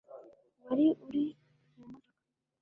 wari uri mu modoka